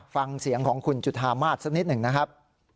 ฟังเสียงของคุณจุธามาศสักนิดหนึ่งนะครับ